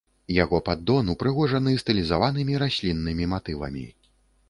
Яго паддон упрыгожаны стылізаванымі расліннымі матывамі.